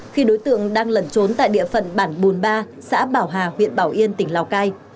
khi đối tượng đang lẩn trốn tại địa phận bản bùn ba xã bảo hà huyện bảo yên tỉnh lào cai